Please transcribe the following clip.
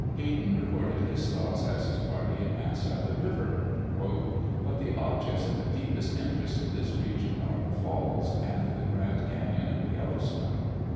Hayden recorded his thoughts as his party advanced up the River: "But the objects of the deepest interest in this region are the falls and the Grand Cañon (of the Yellowstone).